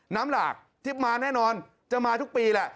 หลากที่มาแน่นอนจะมาทุกปีแหละ